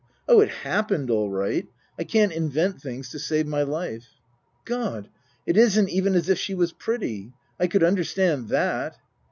" Oh, it happened all right. I can't invent things to save my life. " God ! It isn't even as if she was pretty. I could understand that.''